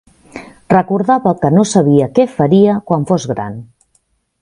Recordava que no sabia què faria quan fos gran.